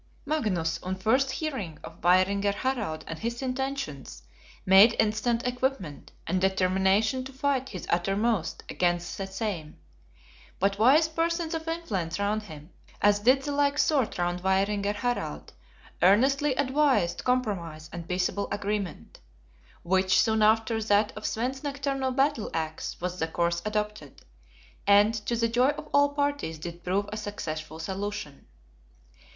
Magnus, on first hearing of Vaeringer Harald and his intentions, made instant equipment, and determination to fight his uttermost against the same. But wise persons of influence round him, as did the like sort round Vaeringer Harald, earnestly advised compromise and peaceable agreement. Which, soon after that of Svein's nocturnal battle axe, was the course adopted; and, to the joy of all parties, did prove a successful solution.